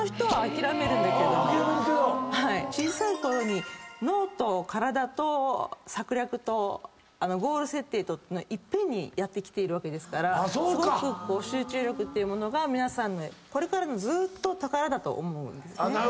小さいころに脳と体と策略とゴール設定とっていうのをいっぺんにやってきてるからすごく集中力っていうものが皆さんこれからのずーっと宝だと思うんですね。